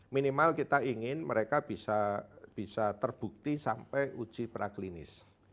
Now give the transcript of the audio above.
minimal kita ingin mereka bisa terbukti sampai uji praklinis